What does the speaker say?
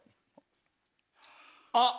あっ！